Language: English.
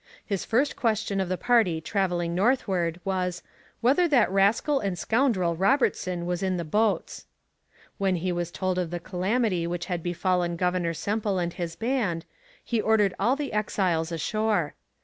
His first question of the party travelling northward was 'whether that rascal and scoundrel Robertson was in the boats.' When he was told of the calamity which had befallen Governor Semple and his band, he ordered all the exiles ashore.